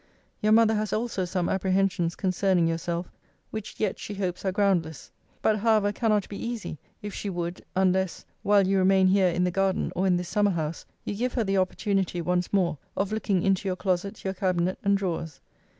Your mother has also some apprehensions concerning yourself, which yet she hopes are groundless; but, however, cannot be easy, if she would, unless (while you remain here in the garden, or in this summer house) you give her the opportunity once more of looking into your closet, your cabinet and drawers.